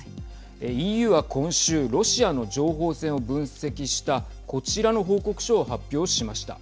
ＥＵは今週ロシアの情報戦を分析したこちらの報告書を発表しました。